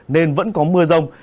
nên vẫn có mưa rông